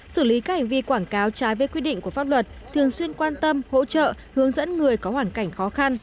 xử lý các hành vi quảng cáo trái với quy định của pháp luật thường xuyên quan tâm hỗ trợ hướng dẫn người có hoàn cảnh khó khăn